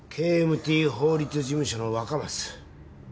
ＫＭＴ法律事務所の若松。